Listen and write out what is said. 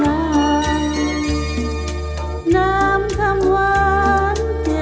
ผู้หญิงที่สำนักรายเทศ